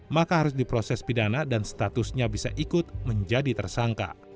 maka harus diproses pidana dan statusnya bisa ikut menjadi tersangka